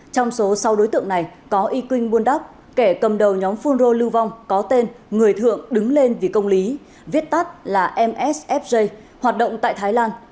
trong số sáu đối tượng này có y quynh buôn đắk kẻ cầm đầu nhóm phun ro lưu vong có tên người thượng đứng lên vì công lý viết tắt là msfj hoạt động tại thái lan